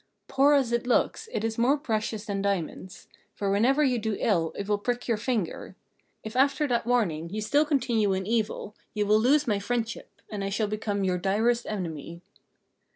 "Poor as it looks, it is more precious than diamonds; for whenever you do ill it will prick your finger. If after that warning you still continue in evil, you will lose my friendship, and I shall become your direst enemy."